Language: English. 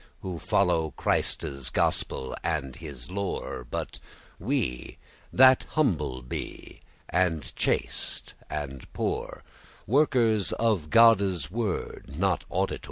<16> Who follow Christe's gospel and his lore* *doctrine But we, that humble be, and chaste, and pore,* *poor Workers of Godde's word, not auditours?